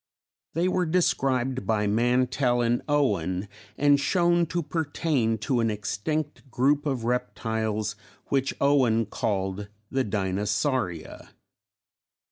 They were described by Mantell and Owen and shown to pertain to an extinct group of reptiles which Owen called the Dinosauria.